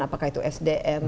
apakah itu sdm